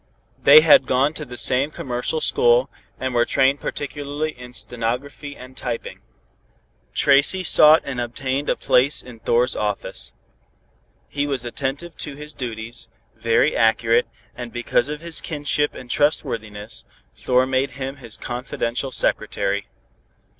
They had gone to the same commercial school, and were trained particularly in stenography and typing. Tracy sought and obtained a place in Thor's office. He was attentive to his duties, very accurate, and because of his kinship and trustworthiness, Thor made him his confidential secretary.